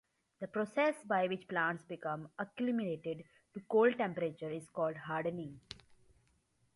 The process by which plants become acclimated to cold temperatures is called hardening.